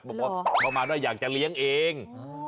เพราะว่าเขามาอยากจะเลี้ยงเอง